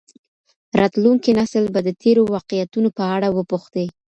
راتلونکی نسل به د تېرو واقعیتونو په اړه وپوښتي.